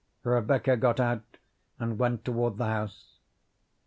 Rebecca got out and went toward the house.